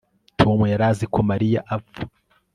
Tom yari azi ko Mariya apfa